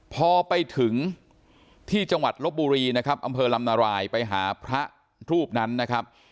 พอไปถึงที่จังหวัดลบบุรีนะครับอำเภอลำนารายไปหาพระรูปนั้นนะครับ